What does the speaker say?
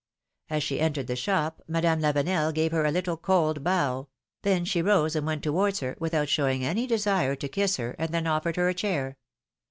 As she entered the shop, Madame Lavenel gave her a little, cold bow; then she rose and went towards her, without showing any desire to kiss her, and then offered her a chair.